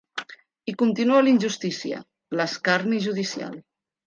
I continua la injustícia, l’escarni judicial.